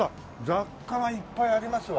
雑貨はいっぱいありますわ。